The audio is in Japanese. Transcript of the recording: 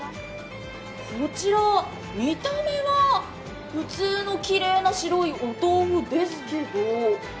こちら、見た目は普通のきれいな白いお豆腐ですけど？